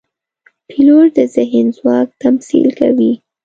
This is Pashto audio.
پیلوټ د ذهن ځواک تمثیل کوي.